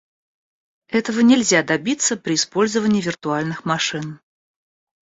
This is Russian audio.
Этого нельзя добиться при использовании виртуальных машин